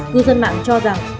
cư dân mạng cho rằng